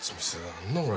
何だこれ？